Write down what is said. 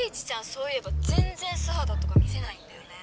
そういえば全然素肌とか見せないんだよね